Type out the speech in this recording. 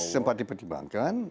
sempat dipertimbangkan pak prabowo